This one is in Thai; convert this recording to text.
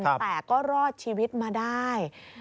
แต่ก็รอดชีวิตมาได้